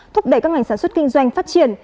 thúc đẩy các ngành sản xuất kinh doanh phát triển